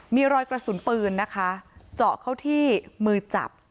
มีรอยกระสุนปืนนะคะเจาะเข้าที่มือจับ